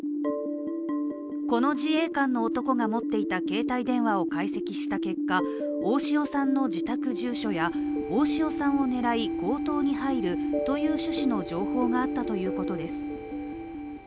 この自衛官の男が持っていた携帯電話を解析した結果大塩さんの自宅住所や大塩さんを狙い強盗に入るという趣旨の情報があったということです。